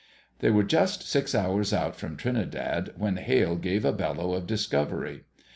They were just six hours out from Trinidad when Hale gave a bellow of discovery.